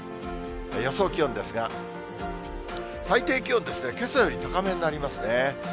予想気温ですが、最低気温ですね、けさより高めになりますね。